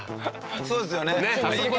そうですよね。